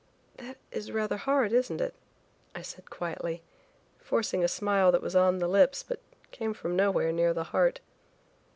"That is rather hard, isn't it?" I said quietly, forcing a smile that was on the lips, but came from nowhere near the heart.